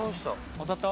当たった？